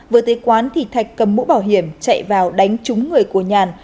vừa tới quán thì thạch cầm mũ bảo hiểm chạy vào đánh trúng người của nhàn